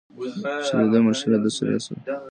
چې د ده منشي له ده سره سیاله ده.